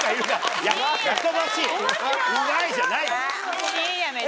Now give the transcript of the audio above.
うまいじゃない！